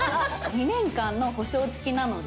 ２年間の保証付きなので。